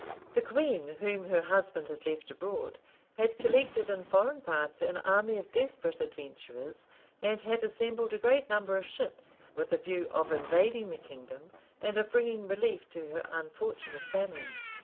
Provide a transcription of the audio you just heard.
The queen, whom her husband had left abroad, had collected in foreign parts an army of desperate adventurers, and had assembled a great number of ships, with a view of invading the kingdom, and of bringing relief to her unfortunate family.